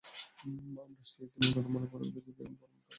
আমার সেই দিনের কথা মনে পড়ল যেদিন আমি প্রথম ওঁর বক্তৃতা শুনেছিলুম।